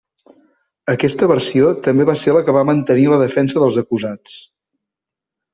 Aquesta versió també va ser la que va mantenir la defensa dels acusats.